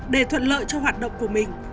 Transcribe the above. để thuận lợi cho hoạt động của mình